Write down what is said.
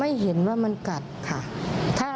ไม่เห็นว่ามันกัดค่ะ